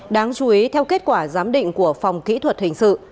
đáng chú ý theo kết quả giám định của phòng kỹ thuật hình sự